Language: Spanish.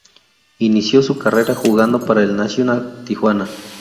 Inició su carrera jugando para el Nacional Tijuana.